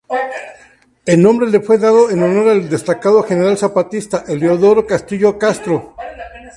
El nombre le fue dado en honor al destacado general zapatista Heliodoro Castillo Castro.